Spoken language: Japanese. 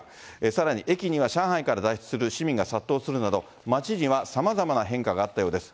さらに駅には上海から脱出する市民が殺到するなど、街にはさまざまな変化があったようです。